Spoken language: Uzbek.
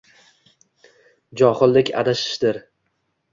Johillik adashishdir.